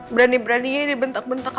berani berani ya dibentak bentak aku